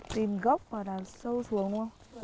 tìm gốc và đào sâu xuống đúng không